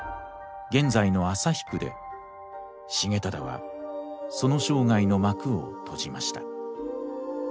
現在の旭区で重忠はその生涯の幕を閉じました。